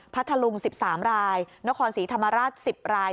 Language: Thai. ทะลุง๑๓รายนครศรีธรรมราช๑๐ราย